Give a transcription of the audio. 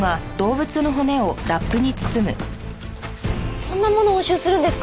そんなもの押収するんですか？